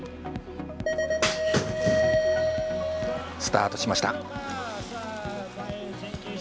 スタートしました。